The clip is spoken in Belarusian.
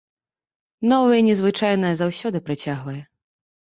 Новае і незвычайнае заўсёды прыцягвае.